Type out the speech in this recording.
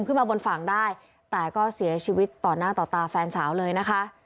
ขึ้นมาบนฝั่งได้แต่ก็เสียชีวิตต่อหน้าต่อตาแฟนสาวเลยนะคะ